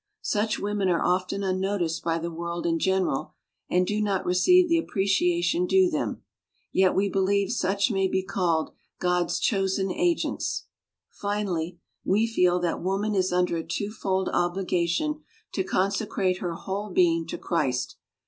Such women are often unnoticed by the world in general, and do not receive the appreciation due them; yet we believe such may be called God's chosen agents." Finally, "we feel that woman is under a twofold obligation to con secrate her whole being to Christ.